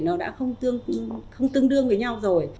nó đã không tương đương với nhau rồi